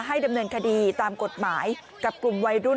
ดำเนินคดีตามกฎหมายกับกลุ่มวัยรุ่น